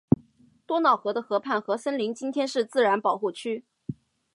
多瑙河的河畔和森林今天是自然保护区。